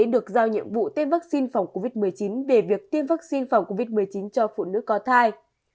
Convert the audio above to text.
được giao nhiệm vụ tiêm vaccine phòng covid một mươi chín về việc tiêm vaccine phòng covid một mươi chín cho phụ nữ có thai